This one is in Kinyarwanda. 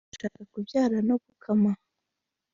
Ushaka kubyara no gukama